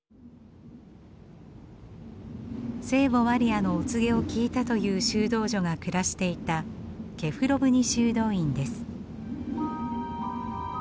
聖母マリアのお告げを聞いたという修道女が暮らしていたケフロヴニ修道院です。